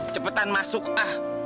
cepetan masuk ah